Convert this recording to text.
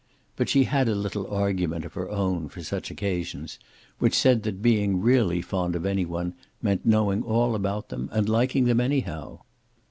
But she had a little argument of her own, for such occasions, which said that being really fond of any one meant knowing all about them and liking them anyhow.